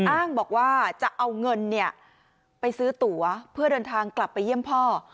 อ้างบอกว่าจะเอาเงินไปซื้อตั๋วเพื่อเดินทางกลับไปเยี่ยมพ่อ